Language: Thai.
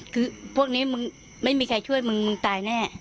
คือพวกนี้มึงไม่มีใครช่วยมึงมึงตายแน่